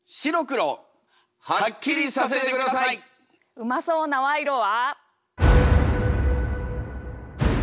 うまそうな「賄賂」は。